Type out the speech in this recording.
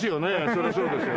そりゃそうですよね。